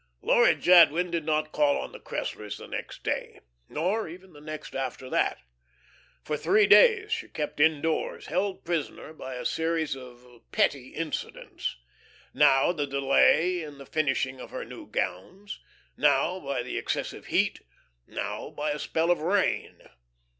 Laura Jadwin did not call on the Cresslers the next day, nor even the next after that. For three days she kept indoors, held prisoner by a series of petty incidents; now the delay in the finishing of her new gowns, now by the excessive heat, now by a spell of rain.